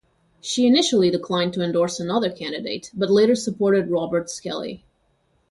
She initially declined to endorse another candidate, but later supported Robert Skelly.